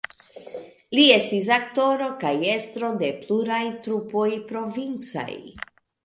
Li estis aktoro kaj estro de pluraj trupoj provincaj.